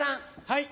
はい。